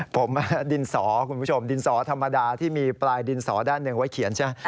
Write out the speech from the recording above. ผมดินสอคุณผู้ชมดินสอธรรมดาที่มีปลายดินสอด้านหนึ่งไว้เขียนใช่ไหม